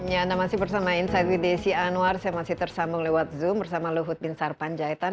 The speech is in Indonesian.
ya anda masih bersama inside desian war saya masih tersambung lewat zoom bersama luhut bin sarpan jahitan